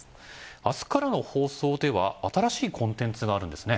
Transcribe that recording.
明日からの放送では新しいコンテンツがあるんですね。